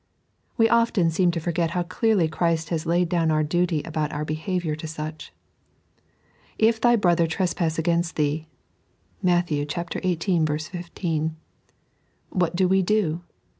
We often seem to forget how clearly Christ has kid down our duty about our behaviour to such. " If thy brother trespass against thee " (Matt, xviii. 15), what do we do?